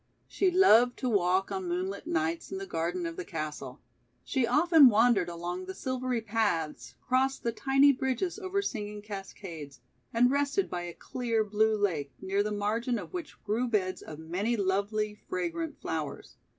She loved to walk on moonlit nights in the garden of the castle. She often wandered along the silvery paths, crossed the tiny bridges over singing cascades, and rested by a clear blue lake, near the margin of which grew beds of many lovely, fragrant flowers.